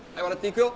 いくよ。